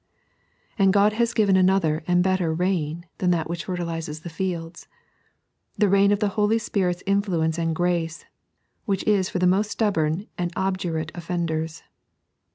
And God has given another and better Jiain than that which fertilizes the fields — the rain of the Holy Spirit's influence and grs^e, which is for the most stubborn and obdurate offenders.